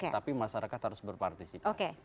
tapi masyarakat harus berpartisipasi